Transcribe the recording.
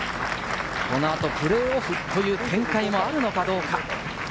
この後、プレーオフという展開もあるのか。